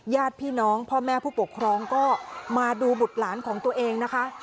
ญาติพี่น้องพ่อแม่ผู้ปกครองก็มาดูบุตรหลานของตัวเองนะคะ